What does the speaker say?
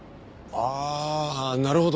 ああなるほど。